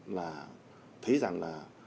là thấy rằng là